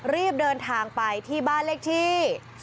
รีบเดินทางไปที่บ้านเลขที่